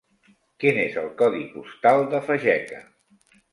Quin és el codi postal de Fageca?